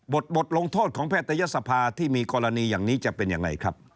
บทลงโทษของแพทยศภาที่มีกรณีอย่างนี้จะเป็นยังไงครับ